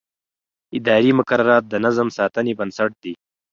اداري مقررات د نظم ساتنې بنسټ دي.